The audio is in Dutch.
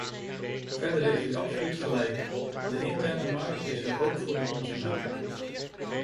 Verder heeft u absoluut gelijk: de interne markt is er ook voor de consument.